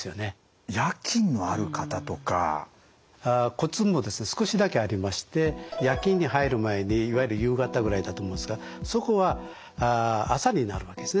コツもですね少しだけありまして夜勤に入る前にいわゆる夕方ぐらいだと思うんですがそこは朝になるわけですね